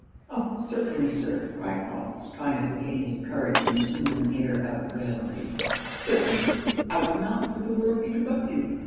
'Oh! certainly, Sir,' cried Crofts, trying to regain his courage and assume an air of raillery 'certainly I would not for the world interrupt you.